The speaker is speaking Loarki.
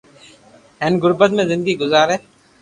ھين غربت ۾ زندگي گزاري